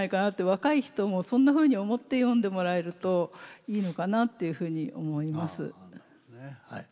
若い人もそんなふうに思って読んでもらえるといいのかなっていうふうに思います。